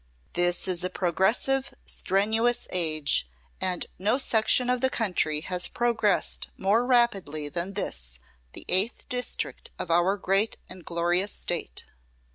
"This is a progressive, strenuous age, and no section of the country has progressed more rapidly than this, the Eighth District of our great and glorious State.